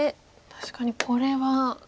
確かにこれは。